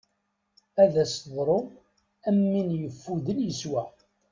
Ad as-teḍru am win ifuden yeswa.